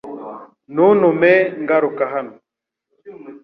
Ntuntume ngaruka hano .